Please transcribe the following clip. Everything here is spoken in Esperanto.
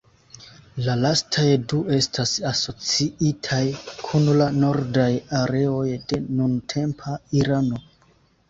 La lastaj du estas asociitaj kun la nordaj areoj de nuntempa Irano.